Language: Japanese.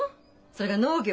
それが農業？